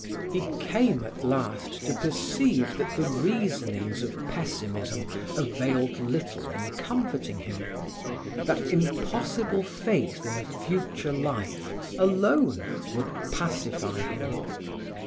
He came at last to perceive that the reasonings of pessimism availed little in comforting him, that impossible faith in a future life alone would pacify him.